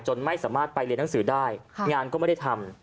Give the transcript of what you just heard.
ไม่สามารถไปเรียนหนังสือได้งานก็ไม่ได้ทำ